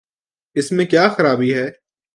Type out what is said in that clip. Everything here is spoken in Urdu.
اس میں کیا خرابی ہے؟